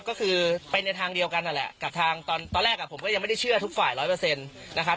ก็คือไปในทางเดียวกันนั่นแหละกับทางตอนแรกผมก็ยังไม่ได้เชื่อทุกฝ่ายร้อยเปอร์เซ็นต์นะครับ